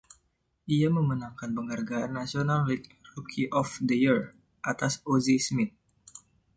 Ia memenangkan penghargaan National League Rookie of the Year atas Ozzie Smith.